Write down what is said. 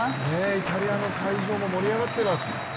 イタリアの会場も盛り上がっています。